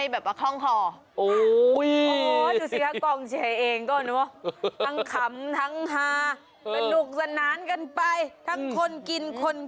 เพราะว่าที่นี่เขาเลี้ยงกบกันเยอะอย่างที่บอร์